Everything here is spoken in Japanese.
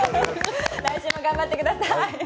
来週も頑張ってください。